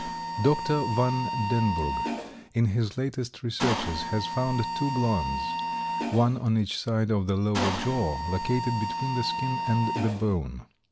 Dr. van Denburgh in his latest researches has found two glands, one on each side of the lower jaw, located between the skin and the bone.